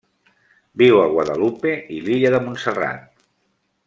Viu a Guadalupe i l'Illa de Montserrat.